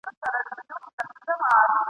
ورخبر یې کړزړګی په لړمانه کي ..